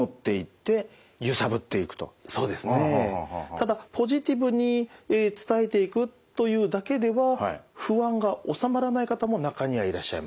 ただポジティブに伝えていくというだけでは不安が収まらない方も中にはいらっしゃいます。